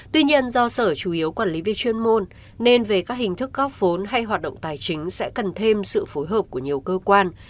tuy nhiên do sở chủ yếu quản lý về chuyên môn nên về các hình thức góp vốn hay hoạt động tài chính sẽ cần thêm sự phối hợp của nhiều cơ quan